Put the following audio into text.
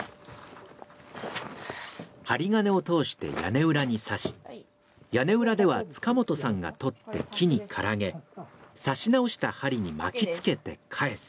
針金を通して屋根裏に刺し屋根裏では塚本さんが取って木にからげ刺し直した針に巻き付けて返す。